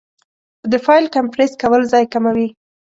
د فایل کمپریس کول ځای کموي.